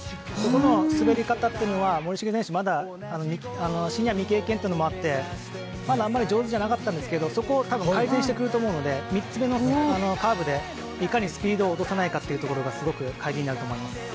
そこの滑り方というのは森重選手、まだシニア未経験というのもあってあまり上手じゃなかったんですけどそこを改善してくると思うので３つ目のカーブでいかにスピードを落とさないかというところがすごく鍵になると思います。